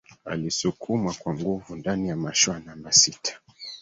alisukumwa kwa nguvu ndani ya mashua namba sita